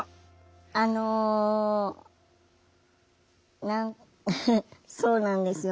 あの何そうなんですよ